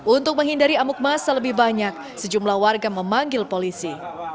untuk menghindari amuk masa lebih banyak sejumlah warga memanggil polisi